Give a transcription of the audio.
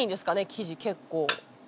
生地結構。